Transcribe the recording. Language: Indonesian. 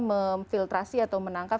memfiltrasi atau menangkap